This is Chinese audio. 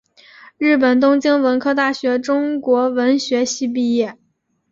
日本东京文科大学中国文学系毕业。